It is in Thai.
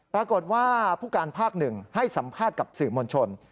ปรากฏว่าผู้การภาคหนึ่งให้สัมภาษณ์กับสื่อมวลชน